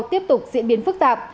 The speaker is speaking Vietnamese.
tiếp tục diễn biến phức tạp